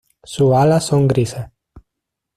Sus alas son grises.